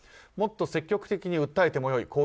もっと積極的に訴えてもよい。